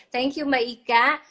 thank you mbak ika